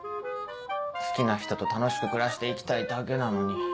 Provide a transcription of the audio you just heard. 好きな人と楽しく暮らしていきたいだけなのに。